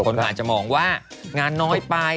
คนก็อาจจะมองว่างานน้อยไป